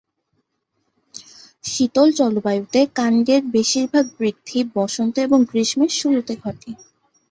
শীতল জলবায়ুতে কাণ্ডের বেশিরভাগ বৃদ্ধি বসন্ত এবং গ্রীষ্মের শুরুতে ঘটে।